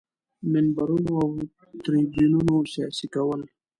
منبرونو او تریبیونونو سیاسي کول.